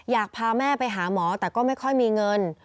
อยากพาแม่ไปหาหมอแต่ก็ไม่ค่อยมีเงิน